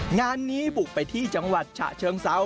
งานนี้บุกไปที่จังหวัดฉะเชิงเซา